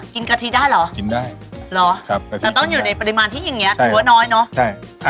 กินกะทิได้เหรอรอแต่ต้องอยู่ในปริมาณที่อย่างนี้หัวน้อยเนอะ